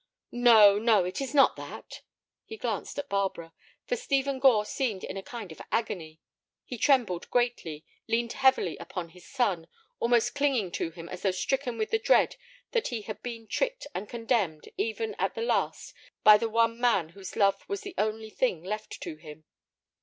"No, no; it is not that." He glanced at Barbara, for Stephen Gore seemed in a kind of agony. He trembled greatly, leaned heavily upon his son, almost clinging to him as though stricken with the dread that he had been tricked and condemned even at the last by the one man whose love was the one thing left to him.